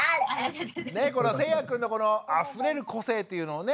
せいやくんのこのあふれる個性っていうのをね